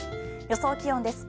予想気温です。